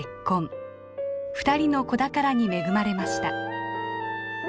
２人の子宝に恵まれました。